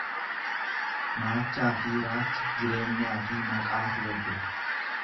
Naachaa fi raacha jireenyaa fi maqaatu walbira.